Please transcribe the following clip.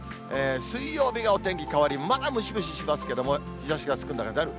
水曜日がお天気変わり、まだムシムシしますけども、日ざしが少なくなる。